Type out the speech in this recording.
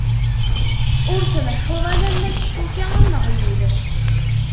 Ur tleḥḥuḍ alamma s ccuka am uɣyul.